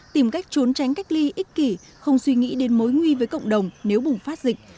tìm cách trốn tránh cách ly ích kỷ không suy nghĩ đến mối nguy với cộng đồng nếu bùng phát dịch